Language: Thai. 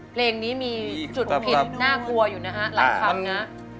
เพลงนี้มีจุดผิดน่ากลัวอยู่นะฮะหลายคำนะ